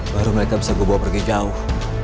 baru mereka bisa gua bawa pergi jauh